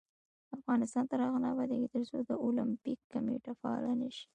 افغانستان تر هغو نه ابادیږي، ترڅو د اولمپیک کمیټه فعاله نشي.